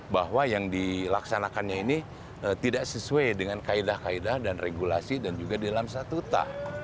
bahwa yang dilaksanakannya ini tidak sesuai dengan kaedah kaedah dan regulasi dan juga di dalam satu ta